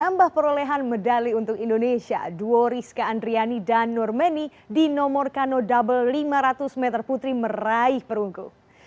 tambah perolehan medali untuk indonesia duo rizka andriani dan nurmeni di nomor kano double lima ratus meter putri meraih perunggu